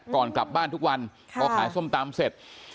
ก่อนกลับบ้านทุกวันพอขายส้มตำเสร็จ